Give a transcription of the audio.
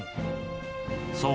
そう。